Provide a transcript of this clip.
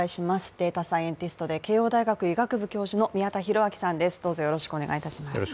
データサイエンティストで、慶応大学医学部教授の宮田裕章さんです。